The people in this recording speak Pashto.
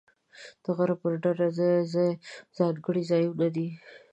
د غره پر ډډه ځای ځای ځانګړي ځایونه دي.